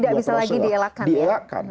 tidak bisa lagi dielakkan